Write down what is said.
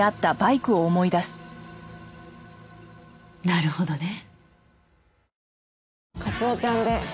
なるほどね。